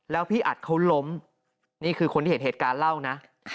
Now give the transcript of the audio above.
แล้วพี่อัดเขาล้มนี่คือคนที่เห็นเหตุการณ์เล่านะ